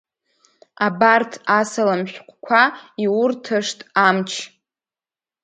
Абарҭ асалам шәҟәқәа иурҭашт амч!